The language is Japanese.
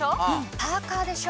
パーカーでしょ。